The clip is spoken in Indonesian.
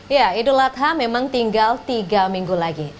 ya idul adha memang tinggal tiga minggu lagi